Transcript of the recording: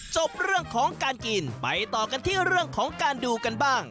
จบเรื่องของการกินไปต่อกันที่เรื่องของการดูกันบ้าง